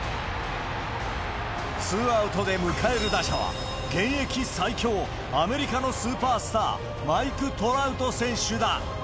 ツーアウトで迎える打者は、現役最強、アメリカのスーパースター、マイク・トラウト選手だ。